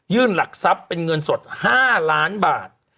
หลักทรัพย์เป็นเงินสด๕ล้านบาท